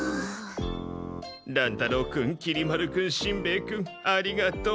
乱太郎君きり丸君しんべヱ君ありがとう。